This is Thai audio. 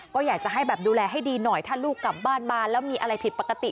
ก็อยากจะให้แบบดูแลให้ดีหน่อยถ้าลูกกลับบ้านมาแล้วมีอะไรผิดปกติ